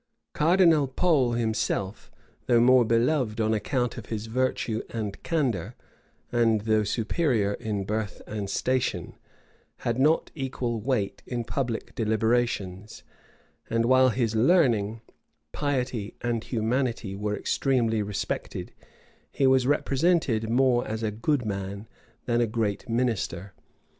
Cardinal Pole himself, though more beloved on account of his virtue and candor, and though superior in birth and station, had not equal weight in public deliberations; and while his learning, piety, and humanity were extremely respected, he was represented more as a good man than a great minister.